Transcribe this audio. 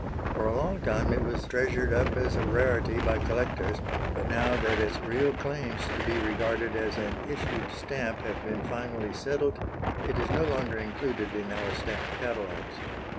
For a long time it was treasured up as a rarity by collectors, but now that its real claims to be regarded as an issued stamp have been finally settled, it is no longer included in our stamp catalogues.